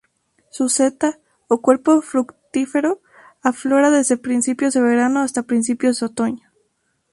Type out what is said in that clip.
Su seta, o cuerpo fructífero, aflora desde principios de verano hasta principios de otoño.